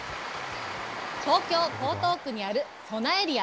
東京・江東区にある、そなエリア